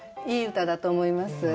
いい歌だと思います。